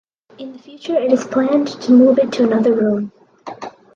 In the future it is planned to move it to another room.